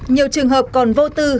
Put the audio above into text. nhiều trường hợp còn vô tư